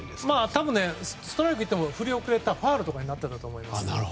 多分、ストライクいっても振り遅れてファウルになってたと思います。